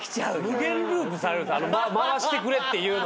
無限ループされる回してくれって。